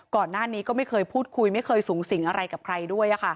ก่อนหน้านี้ก็ไม่เคยพูดคุยไม่เคยสูงสิงอะไรกับใครด้วย